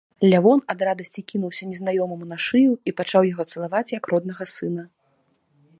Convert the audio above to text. Лявон ад радасці кінуўся незнаёмаму на шыю і пачаў яго цалаваць, як роднага сына.